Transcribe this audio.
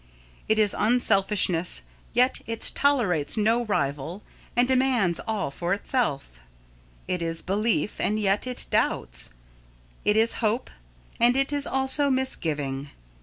It is unselfishness yet it tolerates no rival and demands all for itself. It is belief and yet it doubts. It is hope and it is also misgiving.